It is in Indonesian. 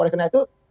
oleh karena itu